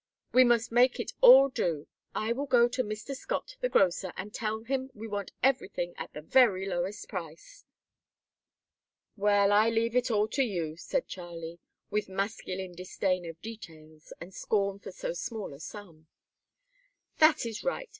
"We must make it all do. I will go to Mr. Scott, the grocer, and tell him we want everything at the very lowest price." "Well, I leave it all to you," said Charlie, with masculine disdain of details, and scorn for so small a sum. "That is right.